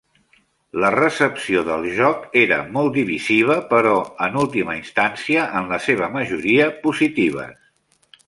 La recepció del joc era molt divisiva, però en última instància, en la seva majoria positives.